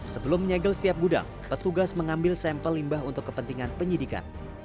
sebelum menyegel setiap gudang petugas mengambil sampel limbah untuk kepentingan penyidikan